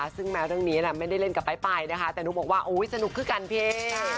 ซึ่งแมวเรื่องนี้ไม่ได้เล่นกับป๊ายปายนะคะแต่นุ๊กบอกว่าโอ้ยจะนุกขึ้นกันเพศ